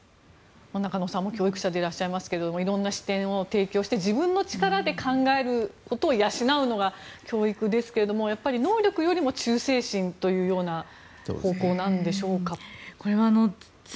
中野さんも教育者でいらっしゃいますがいろんな視点を勉強して自分の力で考えて養うのが教育ですけれども能力よりも忠誠心というような方向なんでしょうか？